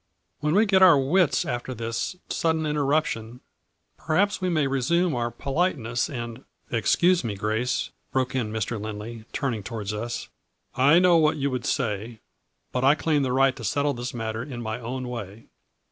" When we get our wits after this sudden in terruption, perhaps we may resume our polite ness and —■"" Excuse me, Grace," broke in Mr. Lindley, turning towards us, " I know what you would 194 FLURRY IN DIAMONDS. say, but I claim the right to settle this matter in my own way."